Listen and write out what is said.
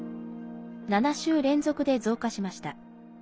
７週連続で増加しました。